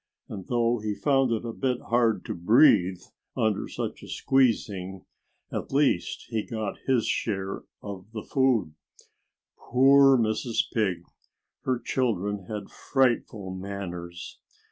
And though he found it a bit hard to breathe under such a squeezing, at least he got his share of the food. Poor Mrs. Pig! Her children had frightful manners.